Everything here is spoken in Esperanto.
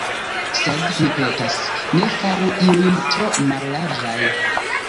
Sed, mi petas, ne faru ilin tro mallarĝaj.